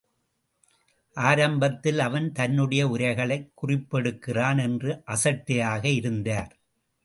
ஆரம்பத்தில் அவன் தன்னுடைய உரைகளைக் குறிப்பெடுக்கிறான் என்று அசட்டையாக இருந்தார்.